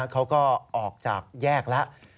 เขาก็ออกจากแยกแล้ว